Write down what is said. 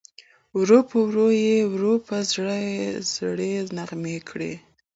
ورو په ورو یې ور په زړه زړې نغمې کړې